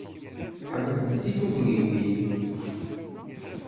Ḥemmlent tifugliwin.